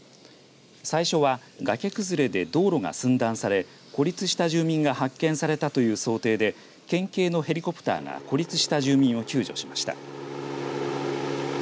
最初は崖崩れで道路が寸断され孤立した住民が発見されたという想定で県警のヘリコプターが孤立した住民を救助しました。